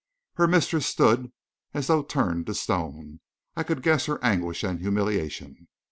Her mistress stood as though turned to stone. I could guess her anguish and humiliation.